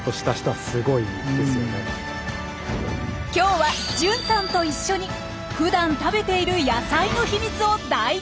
今日は純さんと一緒にふだん食べている野菜の秘密を大研究しちゃいます！